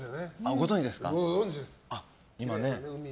ご存じです。